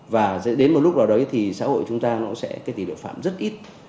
và đến một lúc đó xã hội chúng ta sẽ tỷ lệ phạm rất ít